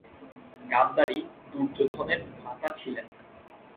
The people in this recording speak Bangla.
গান্ধারী দুর্যোধনের মাতা ছিলেন।